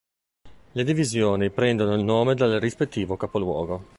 Le divisioni prendono il nome dal rispettivo capoluogo.